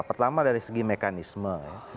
pertama dari segi mekanisme